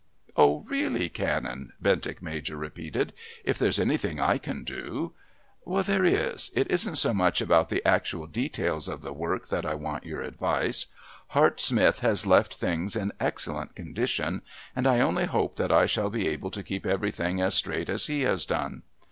"Oh, really, Canon," Bentinck Major repeated. "If there's anything I can do ". "There is. It isn't so much about the actual details of the work that I want your advice. Hart Smith has left things in excellent condition, and I only hope that I shall be able to keep everything as straight as he has done.